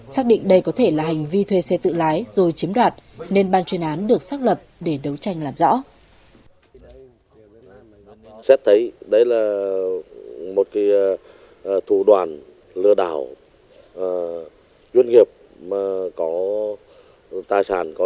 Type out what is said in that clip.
xác định đây có thể là hành vi thuê xe tự lái rồi chiếm đoạt nên ban chuyên án được xác lập để đấu tranh làm rõ